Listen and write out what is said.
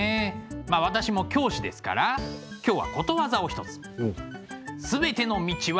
まあ私も教師ですから今日はことわざを一つ。おっ。